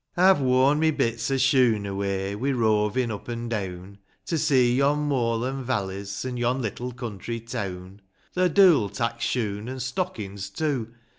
'VE worn my bits o' shoon' away, Wi' rovin' up an' deawn, To see yon moorlan' valleys, an' Yon little country teawn : The dule tak' shoon, an' stockin's too